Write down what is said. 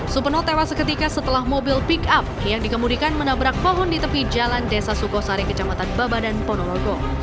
supeno tewas seketika setelah mobil pick up yang dikemudikan menabrak pohon di tepi jalan desa sukosari kecamatan babadan ponorogo